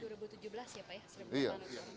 dua ribu tujuh belas ya pak ya